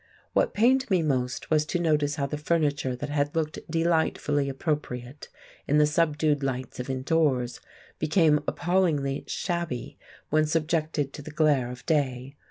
What pained me most was to notice how the furniture that had looked delightfully appropriate in the subdued lights of indoors, became appallingly shabby when subjected to the glare of day.